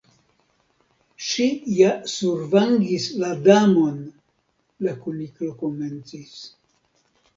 "Ŝi ja survangis la Damon " la Kuniklo komencis.